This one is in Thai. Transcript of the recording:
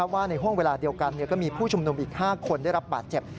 ว่าในห่วงเวลาเดียวกันก็มีผู้ชุมนุมอีก๕คนได้รับบาดเจ็บ